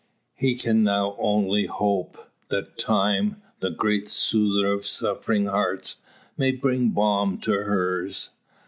He can now only hope, that time, the great soother of suffering hearts, may bring balm to hers.